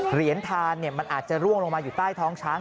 เหรียญทานมันอาจจะร่วงลงมาอยู่ใต้ท้องช้าง